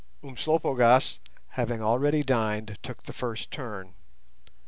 Umslopogaas, having already dined, took the first turn.